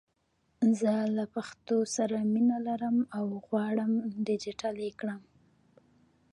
زه له پښتو زه مینه لرم او غواړم ډېجیټل یې کړم!